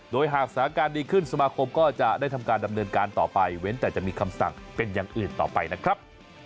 โดยหากสถานการณ์ดีขึ้นสมาคมก็จะได้ทำการดำเนินการต่อไปเว้นแต่จะมีคำสั่งเป็นอย่างอื่นต่อไปนะครับ